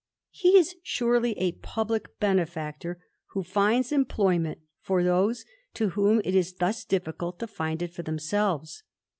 He is surely a pubhck benefactor who finds employment for those to whom it is thus difficult to find it for themselves.